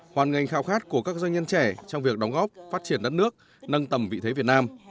hoàn ngành khao khát của các doanh nhân trẻ trong việc đóng góp phát triển đất nước nâng tầm vị thế việt nam